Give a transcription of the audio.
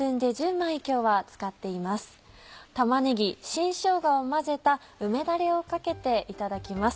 玉ねぎ新しょうがを混ぜた梅だれをかけていただきます。